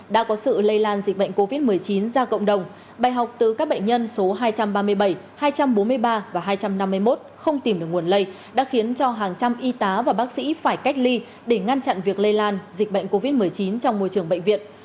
đã có sự lây lan dịch bệnh covid một mươi chín ra cộng đồng bài học từ các bệnh nhân số hai trăm ba mươi bảy hai trăm bốn mươi ba và hai trăm năm mươi một không tìm được nguồn lây đã khiến cho hàng trăm y tá và bác sĩ phải cách ly để ngăn chặn việc lây lan dịch bệnh covid một mươi chín trong môi trường bệnh viện